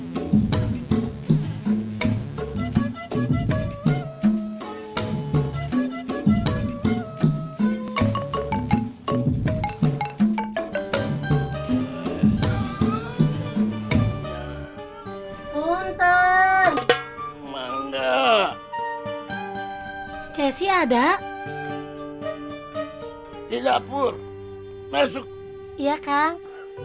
punten manda jesi ada di dapur masuk iya kang